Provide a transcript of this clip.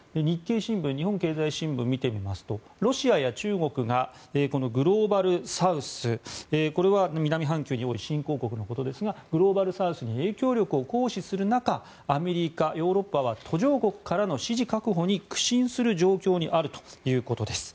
日本経済新聞を見てみますとロシアや中国がグローバルサウス、これは南半球に多い新興国のことですがグローバルサウスに影響力を持つ中アメリカ、ヨーロッパは途上国からの支持確保に苦心する状況にあるということです。